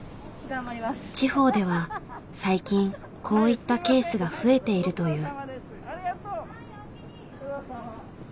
地方では最近こういったケースが増えているという。